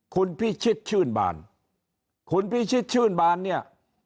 คุณพิชิตชื่นบานคุณพิชิตชื่นบานเนี่ย